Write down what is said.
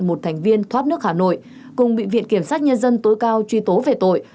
một thành viên thoát nước hà nội cùng bị viện kiểm sát nhân dân tối cao truy tố về tội